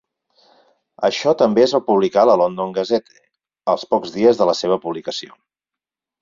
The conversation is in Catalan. Això també es va publicar a la "London Gazette" als pocs dies de la seva publicació.